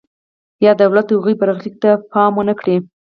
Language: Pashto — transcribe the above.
یا دولت د هغوی برخلیک ته پام ونکړي.